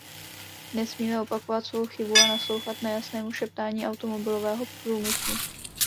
Nesmíme opakovat svou chybu a naslouchat nejasnému šeptání automobilového průmyslu.